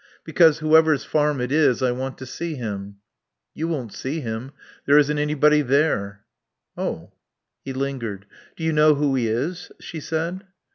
"Because whoever's farm it is I want to see him." "You won't see him. There isn't anybody there." "Oh." He lingered. "Do you know who he is?" she said.